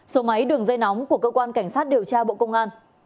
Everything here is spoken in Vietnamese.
số máy đường dây nóng của cơ quan cảnh sát điều tra bộ công an